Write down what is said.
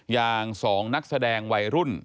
อย่าง๒นักแสดงวัยรุ่น